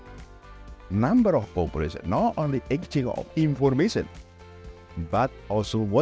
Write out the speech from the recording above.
tidak hanya penggunaan informasi tapi juga apa yang kita lakukan sekarang menambahkan penggunaan transaksi lokal